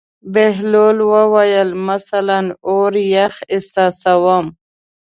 بهلول وویل: مثلاً اور یخ احساسوم.